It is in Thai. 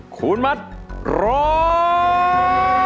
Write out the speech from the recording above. คุณมัดร้อง